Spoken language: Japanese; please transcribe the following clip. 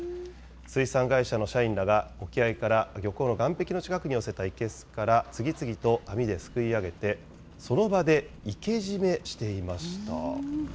水産会社の社員らが、沖合から漁港の岸壁の近くに寄せた生けすから、次々と網ですくい上げて、その場で生け締めしていました。